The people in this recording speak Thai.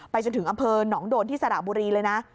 จนถึงอำเภอหนองโดนที่สระบุรีเลยนะ